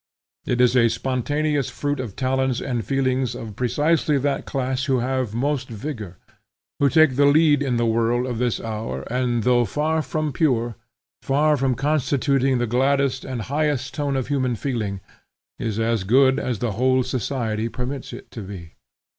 It is a spontaneous fruit of talents and feelings of precisely that class who have most vigor, who take the lead in the world of this hour, and though far from pure, far from constituting the gladdest and highest tone of human feeling, is as good as the whole society permits it to be.